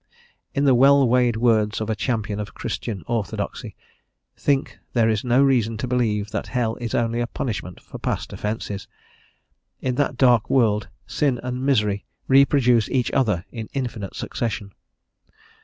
In the well weighed words of a champion of Christian orthodoxy, think there is no reason to believe that hell is only a punishment for past offences; in that dark world sin and misery reproduce each other in infinite succession.